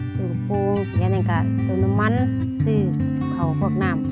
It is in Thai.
ซื้อพูงกับปืนซื้อหาวพอกน้ำ